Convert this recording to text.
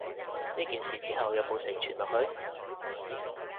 呢件事之後有無承傳落去？